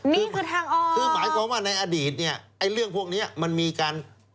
นี่คือทางอ๋อคือหมายความว่าในอดีตเรื่องพวกนี้มันมีกัน